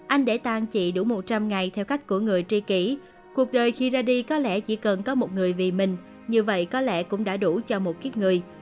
anh để tan chị đủ một trăm linh ngày theo cách của người tri kỷ cuộc đời khi ra đi có lẽ chỉ cần có một người vì mình như vậy có lẽ cũng đã đủ cho một kiếp người